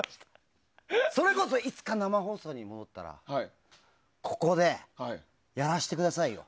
それこそいつか生放送に戻ったらここでやらしてくださいよ。